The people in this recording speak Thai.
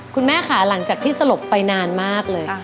คุณแม่ค่ะหลังจากที่สลบไปนานมากเลย